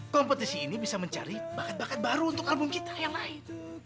kompetisi ini bisa mencari bakat bakat baru untuk album kita yang lain